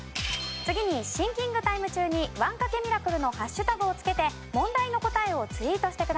次にシンキングタイム中に「ワン賭けミラクル」のハッシュタグをつけて問題の答えをツイートしてください。